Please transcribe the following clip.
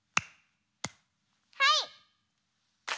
はい！